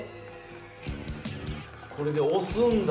これで押すんだ。